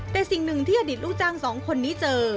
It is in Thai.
แต่สิ่งหนึ่งที่อดีตลูกจ้างสองคนนี้เจอ